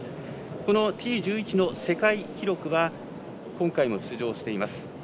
このＴ１１の世界記録は今回も出場しています